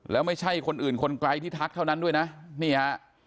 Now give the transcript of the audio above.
แล้วไม่ใช่คนอื่นคนไกลที่ทักเท่านั้นด้วยนะนี่ฮะ